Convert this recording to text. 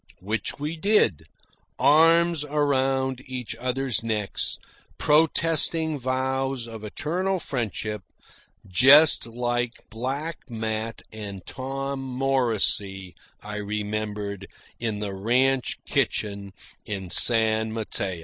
Which we did, arms around each other's necks, protesting vows of eternal friendship just like Black Matt and Tom Morrisey, I remembered, in the ranch kitchen in San Mateo.